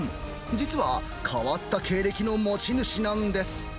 実は変わった経歴の持ち主なんです。